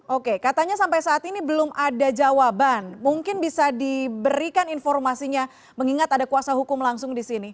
oke katanya sampai saat ini belum ada jawaban mungkin bisa diberikan informasinya mengingat ada kuasa hukum langsung di sini